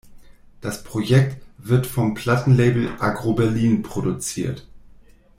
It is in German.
Das Projekt wird vom Plattenlabel Aggro Berlin produziert.